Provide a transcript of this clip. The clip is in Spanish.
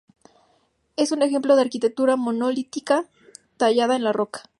Es un ejemplo de arquitectura monolítica tallada en la roca.